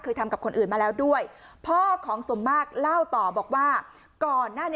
ทำกับคนอื่นมาแล้วด้วยพ่อของสมมากเล่าต่อบอกว่าก่อนหน้านี้